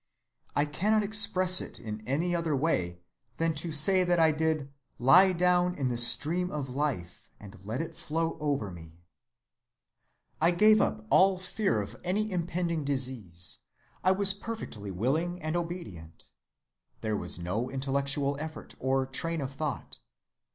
"I cannot express it in any other way than to say that I did 'lie down in the stream of life and let it flow over me.' I gave up all fear of any impending disease; I was perfectly willing and obedient. There was no intellectual effort, or train of thought.